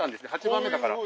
８番目だから。